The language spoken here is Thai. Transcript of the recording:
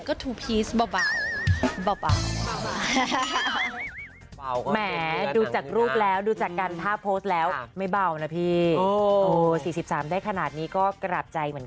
ก็ทูพีชเบา